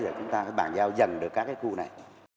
rồi chúng ta phải bàn giao dần được các cái khu này